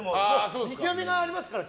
見極めがありますから。